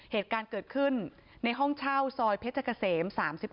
เหตุการณ์เกิดขึ้นในห้องเช่าซอยเพชรเกษม๓๖